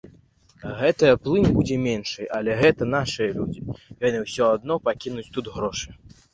Гэтая плынь будзе меншай, але гэта нашыя людзі, яны ўсё адно пакінуць тут грошы.